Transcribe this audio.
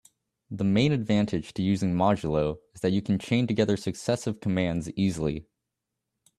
The main advantage to using modulo is that you can chain together successive commands easily.